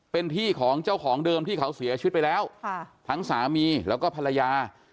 เป็นที่ของเจ้าของเดิมที่เขาเสียชีวิตไปแล้วทั้งสามีแล้วก็ภรรยา